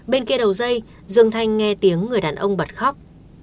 bên kia đầu dây dương thanh nghe tiếng người đàn ông bật khóc